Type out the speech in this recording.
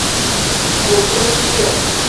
母丁氏。